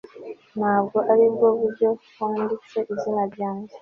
ntabwo aribwo buryo wanditse izina ryanjye